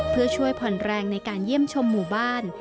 เพื่อช่วยผ่อนแรงในการเยี่ยมชมหมู่บ้าน